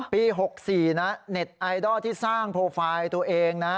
ปี๖๔นะเน็ตไอดอลที่สร้างโปรไฟล์ตัวเองนะ